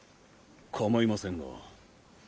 かまいませんが。